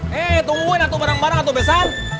hei tungguin atuh bareng bareng atuh besan